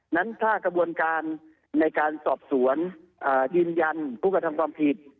นั้นถ้ากระบวนการในการสอบสวนยืนยันผู้กระทำความผิด